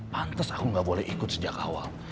pantas aku nggak boleh ikut sejak awal